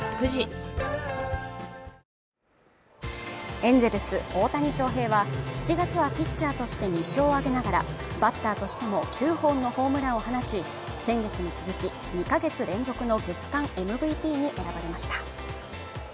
エンゼルス大谷翔平は７月はピッチャーとして２勝を挙げながらバッターとしても９本のホームランを放ち先月に続き２か月連続の月間ＭＶＰに選ばれました